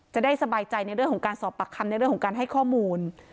จะได้สบายใจในเรื่องของการสอบปากคำในเรื่องของการให้ข้อมูล